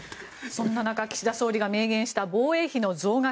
そんな中、岸田総理が明言した防衛費の増額。